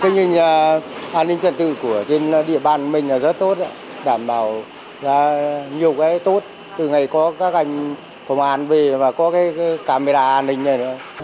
tình hình an ninh trật tự của trên địa bàn mình rất tốt đảm bảo nhiều cái tốt từ ngày có các anh công an về và có cái camera an ninh này